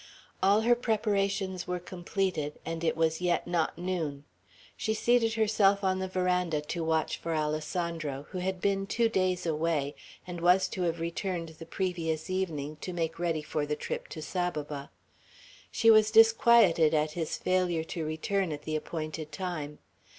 All her preparations were completed, and it was yet not noon. She seated herself on the veranda to watch for Alessandro, who had been two days away, and was to have returned the previous evening, to make ready for the trip to Saboba. She was disquieted at his failure to return at the appointed time.